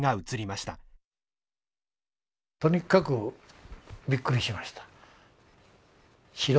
とにかくびっくりしました。